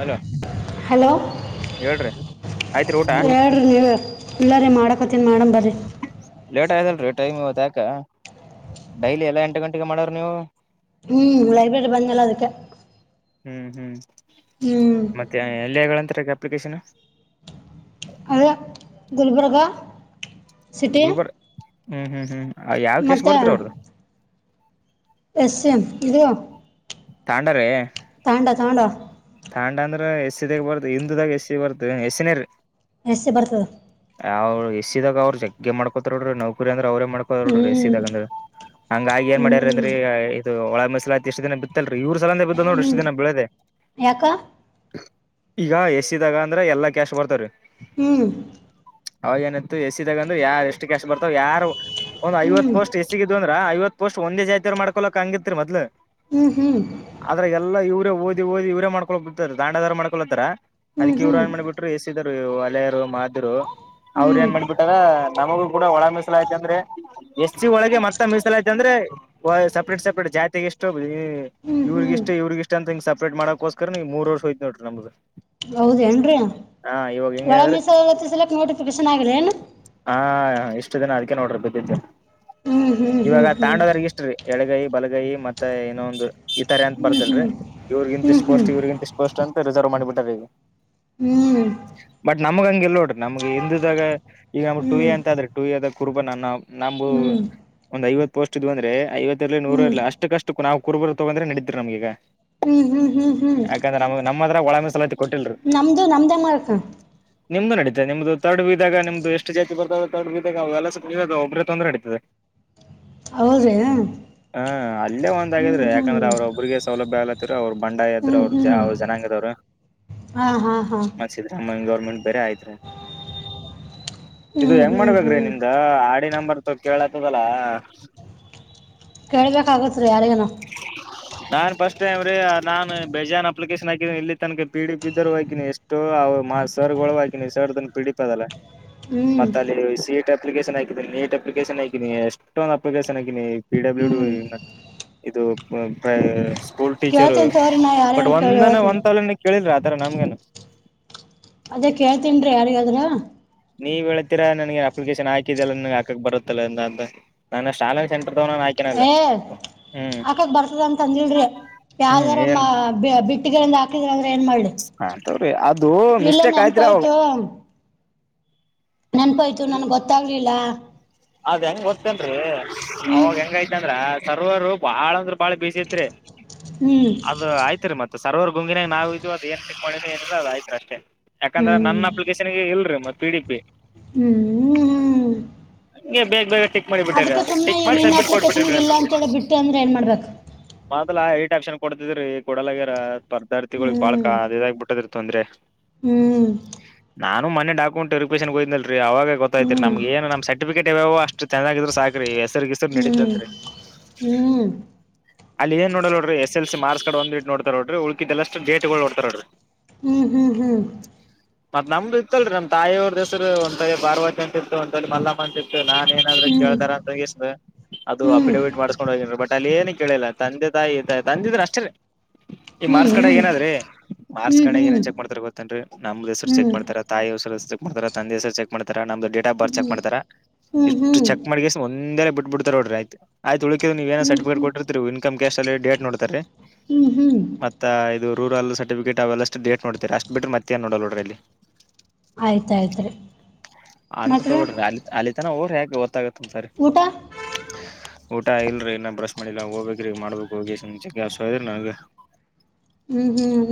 Hello hello ಹೇಳ್ರಿ ಆಯ್ತ್ರಿ ಊಟ ಹೇಳಿ ನೀವೆ ಇಲ್ಲ ರೀ ಮಾಡಕತೀನಿ ಮಾಡಮ್ ಬರ ಲೇಟ್ ಆಯತಲ್ರೀ ಟೈಮ್ ಇವತ್ ಯಾ ಕ ಡೈಲಿ ಎಲ್ಲಾ ಎಂಟು ಗಂಟೆಗೆ ಮಾಡೋರ್ ನೀವು? ಹ್ಮ್ ಲೈಬ್ರರಿ ಬಂದ್ನಲ್ಲ ಅದಕ್ಕೆ ಹ್ಮ್ ಹ್ಮ್ ಹ್ಞೂ ಮತ್ತೆ ಎಲ್ಲಿಗಳಂತ್ರಿ ಕೆ ಪ್ಲಿಕೇಶನ್ ಅದ ಗುಲ್ಬರ್ಗಾ ಸಿಟಿ ಗುಲ್ಬರ್ ಹ್ಮ್ ಹ್ಮ್ ಹ್ಮ್ ಯಾವ ಕೆಸ್ ಮತ್ತು ಬರ್ತ್ರಿ ಅವ್ರ್ದು? ಎಸ್ ಎಮ್ ಇದು ತಾಂಡರೆ ತಾಂಡಾ ತಾಂಡಾ ತಾಂಡ ಅಂದ್ರ ಎಸ್ಸಿದಾಗ ಬರ್ದು ಹಿಂದದಾಗ ಎಸ್ಸಿ ಬರ್ದ ಎಸ್ಸಿ ನೆ ರೀ. ಎಸ್ಸಿ ಬರ್ತದ. ಅವ್ ಎಸ್ಸಿದಾಗ ಅವರು ಜಗ್ಗೆ ಮಾಡ್ಕೋತರ್ ನೋಡ್ರಿ ನೌಕರಿ ಅಂದ್ರ್ ಅವ್ರೇ ಮಾಡ್ಕೋದರ ಹ್ಞೂ ನೋಡ್ರಿ ಎಸ್ಸಿ ದಾಗಂದ್ರೆ ಹಂಗಾಗಿ ಏನ್ ಮಾಡ್ಯಾರ ಹ್ಞೂ ಅಂದ್ರೀ ಇದು ಒಳ ಮಸಲಾತಿ ಇಷ್ಟ ದಿನ ಬಿತ್ತಲ್ರೀ ಇವ್ರ ಸಲಂದೆ ಬಿದ್ದ ನೋಡಿ ಹ್ಞೂ ಇಷ್ಟು ದಿನ ಬಿಳದೆ ಯಾಕ ಈಗ ಎಸಿದಾಗ ಅಂದ್ರ ಎಲ್ಲಾ ಕ್ಯಾಶ್ಟ್ ಬರ್ತವ್ರೀ. ಹ್ಮ್ ಅವಾಗ್ ಏನ್ ಎಸಿದಾಗಂದ್ರ ಯಾರ ಎಷ್ಟು ಕ್ಯಾಶ್ಟ್ ಬರ್ತಾವ ಯಾರು ಒಂದ್ ಹ್ಞೂ ಐವತ್ತು ಪೋಸ್ಟ್ ಎಸ್ಸಿಗೆ ಇದ್ವು ಅಂದ್ರ ಐವತ್ ಪಸ್ಟ್ ಒಂದೇ ಜಾತಿಯವ್ರ್ ಮಾಡ್ಕೋಳಕ್ ಹಂಗಿತ್ರಿ ಮದ್ಲು. ಹ್ಞೂ ಹ್ಞೂ ಆದ್ರ ಎಲ್ಲಾ ಇವ್ ಓದಿ ಓದಿ ಇವ್ರೆ ಮಾಡ್ ಬಿಳ್ತ ತಾಂಡದಾರ ಮಾಡ್ಕೊಳತ್ತಾರ. ಹ್ಞೂ ಅದಕ್ಕೆ ಇವ್ರ್ ಏನ್ ಹ್ಞೂ ಮಾಡ ಬಿಟ್ರು ಎಸ್ಸಿದ ಒಲೆಯರು ಮಾದ್ರು, ಅವ್ರ ಹ್ಞೂ ಏನ್ ಮಾಡ್ಬಿಟ್ಟಾರ ನಮಗೂ ಕೂಡ ಒಳ ಮೀಸಲಾತಿ ಅಂದ್ರೆ ಎಸ್ಸಿ ಒಳಗೆ ಮತ್ತೆ ಮೀಸಲಾತಿ ಅಂದ್ರೆ ಓ ಯ್ ಸಪ್ರೇಟ್ ಸಪ್ರೇಟ್ ಜಾತಿಗೆ ಇಷ್ಟು ಹ್ಞೂ ಹ್ಞೂ ಇವ್ರಗಿಷ್ಟು ಇವ್ರಗಿಷ್ಟು ಅಂತ ಹಿಂಗ ಸಪ್ ಮಾಡೋಕೊಸ್ ಕರನೇ ಈ ಮೂರು ವರ್ಷ ಹೋಯ್ತ್ ನೋಡ್ರಿ ನಮ್ದ್ ಹೌದೇನ್ರೀ ಹೆಂಗ ಒಳ ಅಂದ್ರೆ ಮೀಸಲಾತಿ ಸಲಕ್ ನೋಟಿಫಿಕೇಶನ್ ಆಗಿದೆ ಏನು? ಹಾ ಇಷ್ಟು ದಿನ ಅದಕ್ಕೆ ನೋಡ್ರಿ ಬಿದ್ದಿದ್ದು. ಹ್ಞೂ ಹ್ಞೂ ಹ್ಞೂ ಇವಾಗ ಹ್ಞೂ ತಾಂಡೋದ್ರಿಗೆ ಇಷ್ಟ್ರೀ ಎಳಗೈ ಬಲಗೈ ಮತ್ತೆ ಏನೊ ಒಂದು ಈ ತರ ಅಂತ ಹ್ಞೂ ಬರ್ದಿಲ್ರಿ, ಹ್ಞೂ ಹ್ಞೂ ಇವ್ರಗಿಂತಿಷ್ಟ ಹ್ಞೂ ಪೋಷ್ಟ್ ಇವ್ರಗಿಂತಿಷ್ಟ ಪೋಸ್ಟ್ ಅಂತ ರಿಸರ್ವ್ ಮಾಡಿಬಿಟ್ [unintelligible] ಹ್ಮ ನಮಗಂಗಿಲ್ಲ ನೋಡ್. ನಮ್ಗ ಎಂದುದಾಗ ಈಗ ನಮಗ್ ಹ್ಮ್ ಟು ಎ ಅಂತ ಅಂದ್ರು ಟು ಎ ದಾಗ ಕುರ್ಬ ನನ್ನ ನಂಬವು ಹ್ಮ್ ಹ್ಮ್ ಒಂದ್ ಐವತ್ ಪೋಸ್ಟ್ ಇದ್ವು ಅಂದ್ರೆ ಐವತ್ ತ್ತಿರಲಿ ನೂರ ಹ್ಮ್ ಇರ್ಲಿ, ಅಷ್ಟಕ್ಕಷ್ಟುಕು ನಾವು ಕುರುಬರು ತೊಗಂದ್ರೆ ನಡೀತ್ರ ನಮ್ಗೀಗ. ಹ್ಮ್ ಹ್ಮ್ ಹ್ಮ್ ಹ್ಮ್ ಯಾಕಂದ್ರೆ ನಮ್ ನಮ್ಮದ್ರಾಗ ಒಳ ಮೀಸಲಾತಿ ಕೊಟ್ಟಿಲ್ರಿ ನಮ್ದು ನಮ್ದೇ ಮಾಡಕ ನಿಮ್ದು ನಡತೆ ನಿಮ್ದು ತರ್ಡ್ ಬಿ ದಾಗ ನಿಮ್ದು ಎಷ್ಟು ಜಾತಿ ಬರ್ತದ ತರ್ಡ್ ಬಿ ದಾಗ ಎವೆಲ್ಲಸ ನೀವೆ ದ ಒಬ್ರೇ ತೊಂದ್ರು ನಡೀತದೆ. ಹೌದ್ರಿ ಹಾ ಅಲ್ಲೇ ಒಂದಾಗಿದ್ರೆ ಹ್ಮ್ ಯಾಕಂದ್ರೆ ಹ್ಮ್ ಅವ್ರ ಒಬ್ರಿಗೆ ಸೌಲಭ್ಯ ಆಲತ್ತಿರ ಅವ್ರ ಬಂಡಾಯ ಎದ ಹ್ಮ್ ಹ್ಮ್ ಯಾವ್ ಜನಾಂಗದವರು ಹಾ ಹಾ ಹಾ ಮಾಡಿಸಿದ್ರ ಗೌರ್ಮೆಂಟ್ ಬೇರೆ ಆಯ್ತ್ರಿ. ಇದು ಹ್ಮ್ ಹೆಂಗ್ ಹ್ಮ್ ಮಾಡ್ಬೇಕ್ರೀ ಹ್ಮ್ ನಿಂದ ಆರ್ಡಿ ನಂಬರ್ ಕೇಳಕೋಗಲ್ಲ ಕೇಳ್ಬೇಕಾಗತ್ ರೀ ಯಾರಿಗನ. ನಾನ್ ಫಸ್ಟ್ ಟೈಮ್ ರೀ ನಾನ್- ಬೇಜಾನ್ ಅಪ್ಲಿಕೇಶನ್ ಹಾಕಿದಿನಿ ಇಲ್ಲಿ ತನಕ ಪಿಡಿ ಪಿದರು ಹಾಕಿನಿ, ಎಷ್ಟೋ ಮ ಅವ್ರ್ ಸರ್ಗೊಳುವು ಹಾಕಿನಿ, ಸರ್ದನ್ ಪಿಡಿಪ್ ಅದಲ್ಲ, ಹ್ಮ್ ಮತ್ತ ಅಲ್ಲಿ ಸೀಟ್ ಅಪ್ಲಿಕೇಶನ್ ಹಾಕಿದಿನಿ, ನೀಟ್ ಅಪ್ಲಿಕೇಶನ್ ಹಾಕಿನಿ, ಎಷ್ಟೊಂದು ಅಪ್ಲಿಕೇಶನ್ ಹಾಕಿನಿ, ಪಿ ಡಬ್ಲ್ಯೂ ಡು, ಹ್ಮ್ ಇದು ಮ- ಕೇಳ್ತೀನ್ ತೋರಿ ನಾ ಯಾ ಬಟ್ ಒಂದನ ಒಂದ್ಲನ [inaudible] ಕೇಳಿದ್ರಿ ಆ ರ ನನ್ಗೇನು ಅದೇ ಕೇಳ್ತಿನ್ರಿ ಯಾರಿಗದ್ರ. ನೀವ್ ಹೇಳ್ತಿರಾ ನನಗೆ ಅಪ್ಲಿಕೇಶನ್ ಹಾಕಿದಿಯಲ್ಲ ನಗ ಹಾಕಕ್ ಬರುತ್ತಲ್ಲ ಎ ಅಂತ, ನಾನಷ್ಟಾಲ ಏ ಆಕಕ್ ಬರ್ತದಂತ ಅಂದಿಲ್ರಿ. ಹ್ಮ್ ಯಾವ್ದಾರ ಮ ಬಿ ಬಿಟ್ಟಗರಂದ [inaudible] ಆತವ್ರಿ, ಅದು ಇಲ್ಲ ಮಿಸ್ಟೇಕ್ ಆಯತ್ರಿ ಅವಾಗ. ನೆನ್ಪುಾಯ್ತು ನನ್ಗ್ ಗೊತ್ತಾಗ್ಲಿಲ್ಲ. ಅದ್ ಹೆಂಗ್ ಗೊತ್ತೇನ್ರೀ, ಹ್ಮ್ ಅವಾಗ ಹೆಂಗೈತಂದ್ರ. ಸರ್ವರು ಬಾಳಂದ್ರ ಬಾಳ ಬೀಸಿತ್ರಿ. ಹ್ಮ್ ಅದು ಆಯ್ತ್ರಿ ಮತ್ ಸರ್ವರ್ ಗುಂಗಿನಾಗ ನಾವವು ಇದದು ಅದು ಏನ್ ಚಕ್ ಮಾಡೀವಿ ಅ್ರ ಅದುಯ್ತು ಅಷ್ಟೇ. ಯಾಕಂದ್ರ ಹ್ಮ್ ನನ್ನ ಅಪ್ಲಿಕೇಶನ್ಗೆ ಇಲ್ರರಿ ಮತ್ತೆ. ಪಿಡಿಪಿ. ಹ್ಮ್್ಮ. ಬೇು ಬೇ. ಅದಕ್ಕೆ ಸುಮನೆ ಈಗ ನಿನ್ ಅಪ್ಲಿಕೇಶನ್ಗ ಇಲ್ಲ ಅಂತೇಳಿ ಬಿಟ್ಟು ಅಂದ್ರೆ ಏನ್ ಮಾಡ್ಬೇಕು. ಾ ಏಟ್ ಆಕ್ಷನ್ ಕೊಡ್ತಿದ್ರಿ ಕೊಡಲಾಗಿರ ಪದಾರ್ಥತಿಗಳಗ್ ಬಾಳ ಕ ಹ್ಮ್ ಅದ ಇದಾಗಗ್ಬ ಬಿಟ್ಟದ್ರ ತೊಂದ್ರೆ. ಹ್ಮ್. ನಾನು ಮನೆ ಡಾಕಂಟ ರಿಕೇನ್ಗಯ್ದಲ್ರಿ ಅವಾಗ ಗೊತ್ತ್ತಿರಿ ಹ್ಮ್ ನಮಗೆ ಏನ್ ನಮ ಸಟ್. ರ್ಟಿಫಿಕಟ್ ಇವೋ ಅಷ್ಟ್ ಚೆನ್ನಾಗಿದ್ರ ಸಾಕ್ರೀ ಹೆಸರಿಸರು ಹ್ಮ್ ನಡಿದಂರಿ ಹ್ಮ್ ಅಲ್ಲಿ ಏನ್ ನೋಡಲ್ ನೋಡ್ರಿ ಎಸ್ ಎಲ್ ಸಿ ಮಾರ್ಕ್ಸ್ ಕಡ್ ಒಂದ್ ಇಟ್ಟ ನೋಡ್ತಾರ ನೋಡ್ರಿ ಉಳ್ಕಷ್ಟ ಡೇಟ್ ನೋಡ್ತಾರ ನೋಡ್ರಿ ಹ್ಮ್ ಹ್ಮ್ ಹ್ಮ್ ಹ್ಮ್ ಹ್ಮ್ ಹ್ಮ್ ಮತ್ ನಮ್ದು ಇತ್ತಲ್ರರಿ ನಮ್ ತಾಯಿಯ ಅವ್ರ ಹೆಸರು ಒಾಯ ಬಾರ್ವ ಅಂತ. ತ್ತು ನಾನನ್ ಏನಾದ್ರರು ಕೇತಾರ ಅಂತ ಅದು ಅಫಿಡೇವಿಟ್ ಮಾಡ್ಸ್ಕೊಂಡ್ ಹೋಗೇನ್ಿ ಬಟ್ ಅಲ್ಲಿ ಏನನ್ ಕೇಳಲಿಲ್ಲ ತಂದೆ ತಾಯಿ ತಂದಿದ್ರ ಅಷ್ಟೇ ರೀ ಈ ಹ್ಮ್ ಹ್ಮ್ ಮಾರ್ಕ್ಸ್ ಕಡೆ ಏನಾದ್ರೀ ಹ್ಮ್ ಮಾರ್ಕ್ಸ್ ಹ್ಮ್ ಹ್ಮ್ ಹ್ಮ್ ಕಡೆ ಏನನ್ ಚೆಕ್ ಮಾಡತಾರ ಗೊತ್ತೇನ್ರಿೀ ನಮ್ದು ಹೆಸರು ಚೆಕ್ ಮಾಡ್ತಾರ ತಾಯಿ ಹೆಸರು ಚೆಕ್ ಮಾಡ್ತಾರ ತಂದೆ ಹೆಸರು ಚೆಕ್ ಮಾಡ್ತಾರ ನಮ್ದು ಡೇಟ್ ಆಫ್ ಬರ್ತ್ ಚೆಕ್ ಮಾಡ್ತಾರ. ಹ್ಮ್ ಹ್ಮ್ ಇಷ್ಟು ಚೆಕ್ ಹ್ಮ್ ಮಾಡಿಗ. ಂದೇ ಬಿಟ್ಬ ಬಿಡ್ತಾರ ನೋಡ್ರಿಯತಯ್ತ ಉಳಿದ್ ನೀವ ಏನೋ ಸರ್ಟಿಫಿಕೇಟ್ ಕೊಟ್ಟರ್ತತಿೀ ಇನ್ಕಮ್ ಕ್ಯಾಸ್್ ಅಲ್ಲಿ ಡೇಟ್ೋಡ್ತಾರೀ ಹ್ಮ್ ಮತ್ತ ಇದು ರೂರಲ್ ಸರ್ಟಿಫಿಕೇಟ್ ಅವೆಲ್ಲ ಅಷ್ಟ ಡೇಟ್ ನೋಡ್ತಾರೆ ಅಷ್ಟ್ ಬಿ್ರ ಮತ್ತೆ ನ್ ನೋಡಲ್ ನಡ್ರಿ ಇಲ್ಲಿ. ಆಯ್ತಾಯ್ತ್ ರೀ ಮಾತ್ರ. [unintelligible] ಹ ಸರಿ. ಊಟ ಇಲ್ರಿೀ ಇನ ಬ್ರಶ್ ಮಾಡಿಲ್ಲ ಹೋಗ್ಬೇಕ್ರೀಗ ಮಾಡ್ಬೇಕು ಹೋಗಿಂಚ ಕೆಸಯ್ರಿ ನನ್ಗೆ.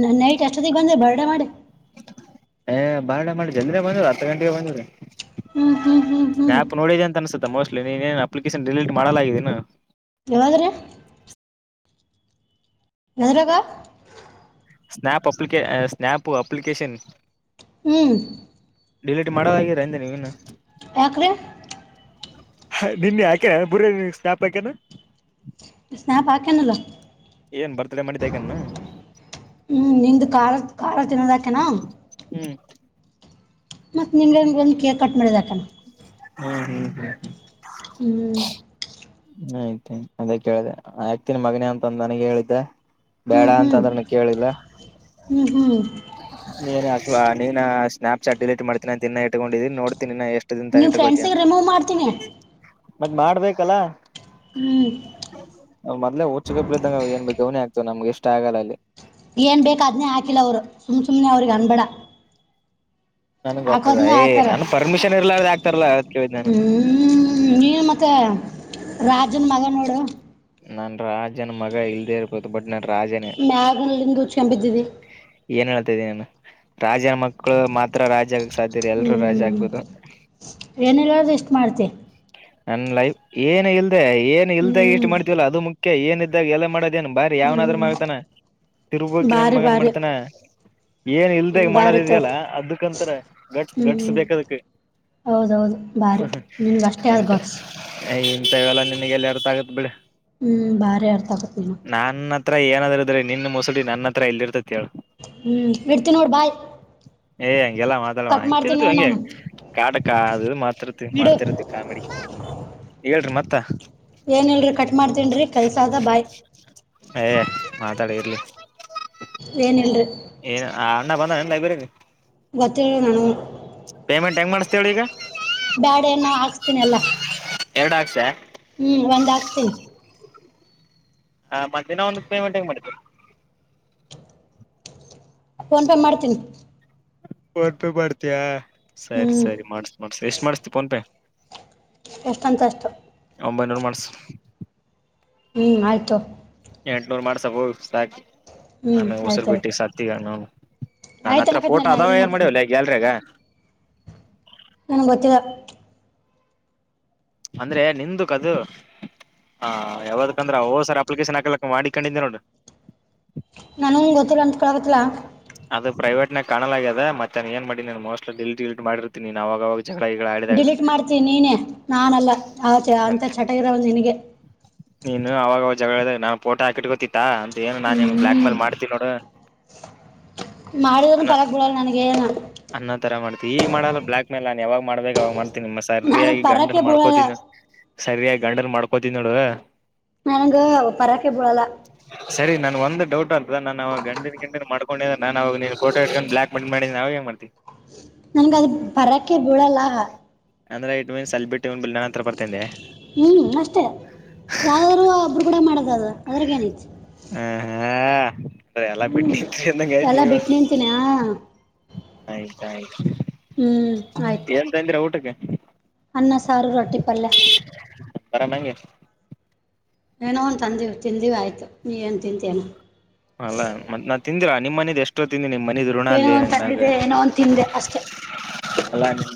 ನ ನೈಟ್ ಅಷ್ಟೊತ್ತಿಗೆ ಬಂದೆ ಬರಡ ಮಾಡಿ. ಏ ಬಾಣ ಮಾಡಿ ಜನ್ನ ಬಂದ ಹತ್ರ ಗಂಟೆಗೆ ಬಂದ್ರ. ಹ್ಮ್ ಹ್ಮ್ ಹ್ಮ್ ಹ್ಮ್ ಆಪ್ ನೋಡಿದೆ ಅಂತ ಅನ್ಸುತ್ತ ಮೋಸ್ಟ್ಲಿ ನೀನೇನು ಅಪ್ಲಿಕೇಶನ್ ಡಿಲೀಟ್ ಮಾಡಲಾಗಿದ್ದನು. ಯಾವಾಗ್ರೀ. ನರಾಗ ಸ್ನಾಪ್ ಅಪ್ಲಿಕ ಸ್ನಾಪ್ ಅಪ್ಲಿಕೇಶನ್. ಹ. ಡಿಲೀಟ್ ಮಾಡೋದಾಗಿರಾಂದ ನೀವ ಇನ್ನು. ಯಕ್ರೀ. [inaudible] ನಿನ್ನೆ ಯಾಕೆ ಬುರ ಸ್ನಾಪಾಕೇನ. ಸ್ನ್ಯಾಪ್ ಹಾಕ್ಯಾನಲ್ಲ ಏನ್ ಬರ್ತಡೆ ಮಾಡಿದ ಅಕ್ಯನೇನ್. ಹ್ಮ್ ನಿಮ್ದು ಖಾಲ ಖಾರ ತಿನ್ಲಕತನ. ಹ್ಮ್ ಮತ್ತತ್ ನಿನ್ನೇ ಬಂದ ಕೇಕ್ ಕಟ್ ಮಾಡಿದ. [inaudible] [unintelligible] ಹಾ... ಹ್ಮ್ ಹ್ಮ್ ಹ್ಮ್. ಹ್ಮ್ [unintelligible] ಆಯ್ತಾಯಯ್ತ ಅದ ಕೇಳಿದೆ ಆಕ್ತೀನಿ ಮಗನ ಅಂತ ನನಗೆ ಹೇಳಿದ್ದೆ. ಹ್ಮ್ ಹ್ಮ್ [unintelligible] ಹ್ಮ್ ಹ್ಮ್ ನೀ [inaudible] ನೀನ್ ಸ್ನಾಪ್ಚಾಟ್ ಡಿಲೀಟ್ ಮಾಡತಿನಿ ಅಂತ ಇಟ್ಕೊಂಡಿ ನೋಡ್. ನೀವು ಫ್ರೆಂಡ್ಸಿಗೆ ರಿಮೂವ್ ಮಾಡ್ತೀನಿ. ಮತ್ತ್ ಮಾಡ್ಬೇಕಲ್ಲಾ. ಹ್ಞೂ ಮದ್ಲೆ ಹುಗಪ್ಲೆ ಇದಂಗವ್ ಏನ್ ಬೇಕ್ ಅದ್ನೇ ಆಗ್ತವ ನಮ್ಗೆ ಎಷ್ಟ ಆಗಲ್ಲ ಅಲ್ಲಿ. ಏನ್ ಬೇಕ ಅದನ್ನೇ ಹಾಕಿಲ್ಲ ಅವರು ಸುಮ್ ಸುಮ್ಮನೆ ಅವ್ರಿಗೆ ಅನ್ಬೇ ನನ್ಗ್ ಗೊತ್ತದ ಹಾಕದನ ಏ ಹಾಕರ ನನ್ ಪರ್ಮಿಷನ್ ಇರ್ಲಾರ್ದ ಆಗ್ತಾರಲ್ಲ ಅದ್ ಕೇಳಿದ್ ನಾನು ಹ್ಮ....... ನೀ ಮತ್ತೆ ರಾ.. ಅದನ್ ಮಗ ನೋಡು ನನ್ ರಾಜನ ಮಗ ಇಲ್ದೇ ಇರ್ಕೋ ಬಟ್ ನಾನ್ ರಾಜನೇ ಮ್ಯಾಗಲ್ಲಿಂದು ಹುಚೆಂದ ಬಿದ್ದಿದೆ ಏನ್ ಹೇಳ್ತಾ ಇದ್ದೀನಿ ರಾಜನ ಮಕ್ಕಳು ಮಾತ್ರ ರಾಜ.. [inaudible] ರಾಜ ಹ್ಮ್ ಆಗ್ಬೇಕು ಏನಿಲ್ಲ್ದು ಎಷ್ಟು ಮಾಡ್ತೆ ನನ್ ಲೈಫ್ ಏನ್ ಇಲ್ ಏನ್ ಹ್ಞೂ ಇಲ್ದ ಇಷ್ಟ ಮಾಡ್ತಿವಲ್ಲ ಅದು ಮುಖ್ಯ ಏನ ಜೀವ್ನದ್ಗ ಎಲ್ಲಾ ಮ [inaudible] ಇದೇನ್ ಬಾರಿ ಹ್ಞೂ ಯಾವನಾದ್ರ ಮಗತಾನ ತಿರುಗಕಿ ನನ್ ಭಾರಿ ಮಗನ್ ಭಾರಿ ಮಾಡ್ತಾನ ಏನ್ ಇಲ್ದ ಭಾರಿ ತೊ ಮಾಡದಿದ್ಯಲ್ಲ ಅದಕ್ಕಂತರ ಘಟ್ಸ್ ಹ್ಞೂ ಘಾಟಿಸ್ಬೇಕ್ ಅದ್ಕಕ್ ಹೌದೌದು ಭಾರಿ ಆ ಹಾ.... ನಿನಗೆ ಅಷ್ಟೇ ಅದು ಎಂತಯ ಗಟ್ಸ್ ಇಂತವೆಲ್ಲ ನಿನಗೆಲ್ಲಿ ಅರ್ಥ ಆಗತ್ ಬಿಡು ಹ್ಮ್ ಭಾರೆ ಅರ್ಥ ಆಗತ್ ನಿಮಗ್ ನನ್ನ ಹತ್ರ ಏನಾದ್ರುದ್ರೆ ನಿನ್ ಮೊಸುಡಿ ನನ್ನತ್ರ ಇಲ್ಲಿ ಇರ್ತೈತಿ ಹೇಳು ಹ್ಮ್ ಇಡ್ತೀನಿ ನೋಡ್ ಬಾಯ್ ಏ ಎಲ್ಲಾ ಮಾಡಲ್ಲ ಕಟ್ ಮಾಡ್ತೀನಿ ಇಂತರ್ತಿವಿ ನೋಡಿ ಹಂಗೆ ನಾನು ಕಾಟಕ ಅದು ಮಾತಿರ್ತಿ ಇಡು ಮಾಡ್ತಿರ್ತಿವಿ ಕಾಮಿಡಿ ಹೇಳ್ರಿ ಮತ್ತ ತ್ತ ಏನ್ ಹೇಳಲ್ರಿ ಕಟ್ ಮಾಡ್ತೀನಿ ರೀ ಕೆಲಸದ ಬಾಯ್ ಏ ಮಾತಾಡ ಇರ್ಲಿ [unintelligible] ಏನ್ ಇಲ್ರು ಏನ್ ಅಣ್ಣ ಬಂದ ಏನ್ ಲೈಬ್ರರಿ ಗತ್ತ ನಣವು ಪೇಮಂಟ್ಂಗೆ ಮಾಡ್ತಳ ಈಗ ಬ್ಯಾಡ ನಾ ಎರಡು ಹಕ್ಷ ಹ್ಮಞ ಒಂದ ಹಾಕ್ತಿೀ ಹಾ ಮಧ್ಯಾಿನ ಒಂದ ಪೇಮೆಂಟ್ ಹಗ ಮಾಡತ ಫೋನ್ಪೇ ಮಾಡ್ತೀನಿ ಕೊರ್ಪು ಬಡ್ತಯಾ ಹ್ಞೂ ಸರಿ ಸರಿ ಮಾಡ್ಸ ಮಾಡ್ಸಿ ಎಷ್ಟು ಮಾಡ್ಸ್ತಿ ಪನ್ಪೆ ಎಷ್ಟಂತಷ್ಟು [inaudible] ಹ್ಮ್ ಆಯ್ತು ಎಂಟನೂರ್ ಮಾಡ್ಸ ಹ ಸಾಕು ಹ್ಞೂ ಅಮ ಆಯ್ತು ಸಲ್ಬೇಟ್ಟೆ ಆಯಿತು ಸಾತ್ತತಿಗಾನ ನನ್ ಆಯ್ತು ಹತ್ರ ಫೋಟೋ ಅನ್ನಕತ್ನಲ್ಲ ನಾ ಅದಾವ ಇಲ್ಲ ಏನ್ ಅನ್ನಕ್ತೀನಿ ಮಾಡವಲ್ಲ ಗ್ಯಾಲರಿಗ ನನಗ್ ಗೊತ್ತಿಲ್ಲ ಅಂದ್ರೆ ನಿಂದುುಕ್ದು ಹ ಯಾವದಕ್ಂದ್ರ ಹಓಸರ್ ಅಪ್ಲಿಕೇಶನ್ ಹಾಕಲಕ್ಕ ಮಾಡ ಕೊಂಡಿದಿ ನೋಡು ನಾನಂಗ ಗೊತ್ತಿಲ್ಲ ಅಂತ್ ಕಳಗತ್ತಲ್ಲಾ ಅದು ಪ್ರೈವೇಟ್ ನಾಗ ಕಾಣಲ್ಯ ಮತ್ತೆ ಏನ್ ಮಾಡಿನ್ ಮೋಸ್ಟ್ [unintelligible] ಮಾಡಿರ್ತೀನಿ ಆ ಅವಾಗವಾಗ ಜಗಳ ಗಿಗಳ ಆಡಿದಾಗ ಡಿಲೀಟ್ ಮಾಡ್ತೀ ನೀನೇ ನಾನಲ್ಲ ಆಯತೆ ಅಂತ ಚಟ ಒಂದ ನಿನಗೆ ಜಗಳ ನಾ ಫೋಟೋ ಹಾಕಿಟ್ಕೋತಿತ್ತ ಏನು ನಾ ನಿಮ್ ಬ್ಲಾಕ್ ಮೇಲ್ ಮಾಡ್ತೀನ ನೋಡು ಮಾಡಿದನು ಪರಕ್ ಬಿಡಲ್ಲ ನನಗ ಏನ ಅನ್ನ ತರ ಮಾಡ್ತತಿ ಈಗ ಮಾಡಲ್ಲ ಬ್ಲಾಕ್ ಮೆಲ್ ನನ್ ಯಾವಾಗ ಮಾಡ್ಬೇಕು ಅವಾಗ ಮಾಡ್ತಿ ಮಸ್ ನನಗ ಸರಿಯಾಗಿ ಪರಕ್ಕೆ ಗಂಡನ್ ಬೀಳಲ್ಲ ಮಾಡ್ಕೋತನ್ ಸರಿಯಾಗಿ ಗಂಡನ್ ಮಾಡ್ ಪತಿ ನೋಡುವ ನನಂಗ ಪರಾಕೆಬಿಳಾಲ ಸರಿ ನನ್ ಒಂದು ಡೌಟ್ ಅರ್ತದ ನಾನ ಅವಾಗ ಗಂಡಿನ ಗಂಡಿನ್ಕೊಂಡ ನಾ ಅವ ನೀ ಕೋಟ ಇಟ್ಕೊಂಡು ಬ್ಲಾಕ್ ಮಾಡಿ ನಾವುಗೇನ್ ಮಾಡ್ತವಿ ತಿ ನನ್ಗ ಅದು ಬರಕ್ಕೆ ಬೀಳಲ್ಲ ತ್ರ ಬರ್ತೇೆನ್ ದೆ ಹ್ಮ್ ಅಷ್ಟೇ ಯಾವ್ದ್ ಒಬ್ರು ಕೂಡ ಮಾಡ ಅದ ಅದ್ರಗೆನೈತಿ ಹ್ಮ ಹ್ಮ ಹಾ ಅ ಎಲ್ಲಾ ಬಿಟ್ಟರಿ ಅಂದಂಗಯತ್ ಎಲ್ಲಾ ಬಿಟ್ಟು ನೀವಂತೂ ನಿಂತೀನಿ ಆ ಆಯ್ತಾಯ್ತು ಹ್ಮ್ ಆಯ್ತು ಅನ್ನ ಸಾರು ರೊಟ್ಟಿ ಪಲ್ಲೆ ಬರ ನಂಗೆ ಏನೋ ಒನು ತಂದೀವು ತಿಂದಿವಿ ಆಯ್ತು ನೀ ಏನು ತಿಂತಿ ಏನು ಅಲ್ಲಾ ಮತ್ ನಾನ್ ತಿಂದಿರಾ ನಿಮ್ಮ ಮನೆದ ಎಷ್ಟೋತ್ತಿನಿ ನಿಮ್ಮನ್ ಏನೋ ಒಂದ್ ತಂದಿದೆ ಏನೋ ಒಂದ ತಿಂದೆ ಅಷ್ಟೆ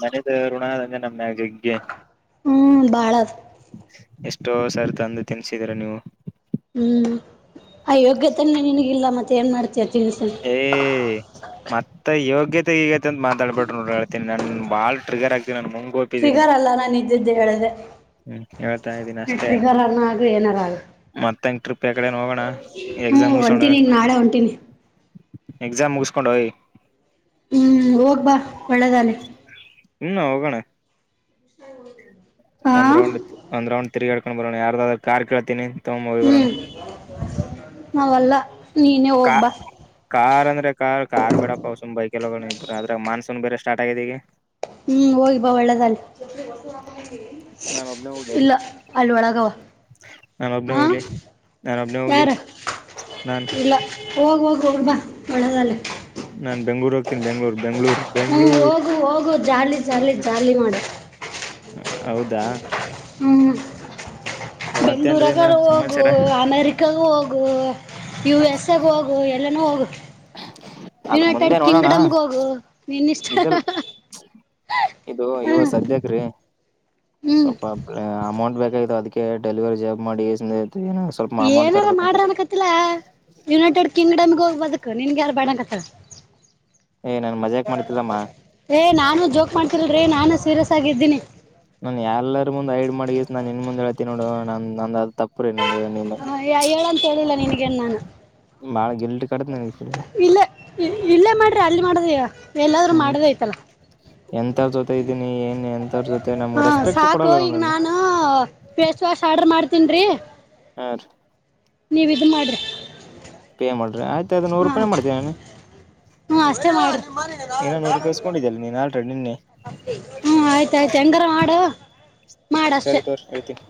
ಮನೆದ ಋಣ ಅಂದ್ರೆ ನಮ್ಯಾಗ ಹೆಗ್ಗೆ ಎಷ್ ಹ್ಮ್ ಬಾಳ ಅದು ಎಷ್ಟೋ ಸರ್ ತಂದು ತಿನ್ಸಿದೀರ ನೀವು ಹ್ಮ್ ಆ ಯೋಗ್ಯತೆಲ್ಲ ನಿನಗಿಲ್ಲ ಮತ್ತೆ ಏನ್ ಮಾಡ್ತತಿ ಏ ಮತ್ತ ಯೋಗ ಈಗೈತೆ ಈಗೈಐ ಅಂತ ಮಾತಾಡ್ಿ ನೋ ಹೇಳ್ತಿನಿ ನನ್ ಬಾ ್ರಗರ್ಗ್ತಿ ನ ಫ್ರಿಗರ್ ಅಲ್ಲ ನಾನು ಇದ್ದಿದ್ದೆ ಹೇಳದೆೆ ಹ್ಮ್ ಹೇಳ್ತಾ ಇದ್ದೀನಿ ಅಷ್ಟೇ ಆಗು ಏನಾರ ಆಗು ಮತ್ತಂಗ ಟ್ರಿಪ್ ಯಕಡೆ ಹೋಗೋಣ ಹ್ಮ್ ಎಕ್ಸಾಮ್ ಉಸೊಂಡ ಹೊಂಟೀನಿ ಈಗ ನಾಳೆ ಹೊಂಟೀನಿ ಎಕ್ಸಾಮ ಮುಗಿಸಕೊಂಡ್ ಹಯ್ ಹ್ಮ್ ಹೋಗ್ ಬಾ ಒಳ್ಳೆದಾನೆ ಹನ್ನ ಹೋಗಣ ಷೌದು ಒಂದ್ ರೌಂಡ್ ಒಂದ್ ರೌಂಡ್ ತಿರುಗಾಡ್ಕೊಂಡ ಬೋಣ ಯಾರದಾದ್ರ ಕಾರ್ ಕೇಳ್ತಿನಿ ಹ್ಮ್ ನವಲ್ಲ ನೀನೇ ಕಾ ಹೋಗ್ಬಾ ಕಾರ್ ಅಂದ್ರೆ ಕಾರ್ ಕಾರ್ ಬಡ ಪಸ ಬೈ ಎಲ್ಲ್ರ ಅ್ರಾಗ ಮಾನ್ಸೂನ್ ಬೇರೆ ಸ್ಟಾರ್ಟ ಆಗಿದ ಈಗ ಹ್ಮ್ ಹೋಗಿ ಬಾ ಒಳ್ಳದಲ್ ನಾನ್ ಒಬ್ನೇ ಹೋಗ್ಲೇನ್ ಇಲ್ಲ ಅಲ್ಲಿ ಒಳಗವ ನಾನ್ ಒಬ್ನೇ ಹಾ ಹೋಗ್ಲಿ ನಾನ್ ಒಬ್ನೇ ಹೋಗ್ಲಿ ಯಾರ ನಾನ್ ಇಲ್ಲ ಹೋಗುವೋಗ ಹ ಬಾ ಬಳ ಜಲ್ಲ ನಾನ್ ಬೆಂಗ್ೂ ಹ್ತೀಿ ಬೆಂಳೂರು ಬೆಂಳೂರು ಹ್ಞ ಹೋಗು ಹೋಗು ಜಾಲಿ ಜಾಲಿ ಜಾಲಿ ಮಾಡಿ ಹೌದಾ ಹ್ಮಞ ಮತ್ತೇನ್ರೀ ಬೆಂಗ್ಳೂರಾಗ ಮೇಡಮ್ ಹೋಗು ಸಮಾಚಾರ ಅಮೇರಿಕಾಗ ಹೋಗು ಯು ಎಸ್ ಎಗ ಹೋಗು ಎಲ್ಲನೂ ಹೋಗು ಅದ ಯುನೈಟೆಡ್ ಮುಂದೆ ನೋಡೋಣ ಕಿಂಗ್ಡಮ್ಗೆ ಹೋಗು ಇನ್ನಿಷ್ಟ ಇದಲ್ ಇದು ಹ ಇವಾಗ ಸದ್ಯಕ್ರೀ ಹ್ಮ್ ಸ್ವಲ್ಪ ಅಮೌಂಟ್ ಬೇಕಾಗತಾವ ಅದಕ್ಕೆ ಡೆಲಿವರಿ ಜಾಬ್ ಮಾಡಿ ಏನೋ ಸ್ವಲ್ಪ ಅಮೌಂಟ್ ಏನೆಲ್ಲ ಮಾಡ್ರ ತರ್ಬೇಕಂತಿದ್ದೀನಿ ಅನ್ಕತಿಲ್ಲ ಯುನೈಟೆಡ್ ಕಿಂಗ್ಡಮ್ ಹೋಗ್ ಬದಕ್ ನಿನ್ಗೆ ಯಾರು ಬಕಸ ಏ ನಾನ್ ಮಜಾಕ್ ಮಾಡ್ತಿಲ್ಲಮ್ಮ ಏ ನಾನು ಜೋಕ್ ಮಾಡ್ತಿೀಲ್ರೀ ನಾನು ಸೀರಿಯಸ್ ಾಗಿದ್ದೀನಿ ನಾನನ್ ಎಲ್ಲಾರರ ಮುಂದ್ ಐಡ್ ಮಾಡಿ ನಾನನ್ ಇನ್ ಮುಂದ್ ಹೇಳ್ತಿ ನೋಡ ನ ನ ಹ ಹೇಳಂತ ಹೇಳಿಲ್ಲ ನಿಿನಗೆ ನಾನ ಬಾಳ ಗಿಲ್ಟ್ ಕಡತ್ ನನಗೆ ಫುಲ್ ಇಲ್ಲೇ ಇಲ್ಲೇ ಮಾಡ್ರಿ ಅಲ್ಲಿ ಮಾಡದ ಎಲ್ಲಾದ್ರರು ಮಾಡದ ಆಐ್ತಲ್ಲ ಎಂತವರ್ ಜೊತೆ ಇದೀನಿ ಏನ್ ಎಂತರ ಜೊತ್ ಹಾ ಸಾಕು ಈಗ ನಾನ ಫೇಸ್ ವಾಶ್ ಆರ್ಡರ್ ಮಾಡ್ತೀನಿರಿ ಹಾ ರಿ ನೀವ್ ಇದ ಮಾಡ್ರಿ. ಪೇ ಮಾಡ್ರಿ ಆಯ್ತ ಅದು ನೂರು ಹಾ ರೂಪಾಯಿ ಮಾಡ್ತೀನಿ ನಾನು ಹ್ಮ ಅಷ್ಟೆ ಮಾಡ್ರಿ ಇನ್ನ ನೂರು ರೂಪಾಯಿ ಇಸ್ಕೊಂಡಿದ್ದಿಲ್ಲ ನೀನ್ ಆಲ್ರೆಡಿ ನಿನ್ನೆ ಹ್ಮ ಆಯ್ತ ಆಯ್ತ ಹೆಂಗಾರ ಮಾಡ ಮಾಡಷ್ಟೆ. ಸರಿ ತೋರಿ ಹೇಳ್ತೀನಿ